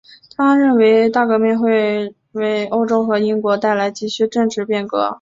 他认为大革命会为欧洲和英国带来急需的政治变革。